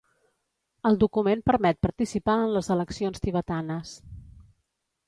El document permet participar en les eleccions tibetanes.